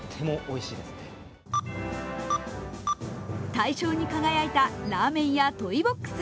大将に輝いたラーメン屋トイ・ボックス。